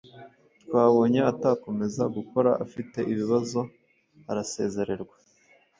Twabonye atakomeza gukora afite ibibazo arasezererwa,